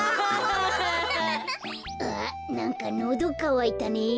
あなんかのどかわいたね。